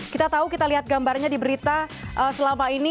kita tahu kita lihat gambarnya di berita selama ini